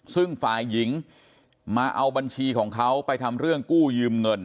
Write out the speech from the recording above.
ซึ่งฝ่ายหญิงมาเอาบัญชีของเขาไปทำเรื่องกู้ยืมเงิน